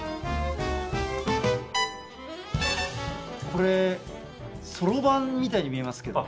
これそろばんみたいに見えますけど。